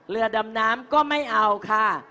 เรือดำน้ำก็ไม่เอาค่ะ